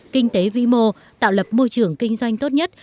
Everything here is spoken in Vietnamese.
kinh tế vĩ mô tạo lập môi trường kinh doanh tốt nhất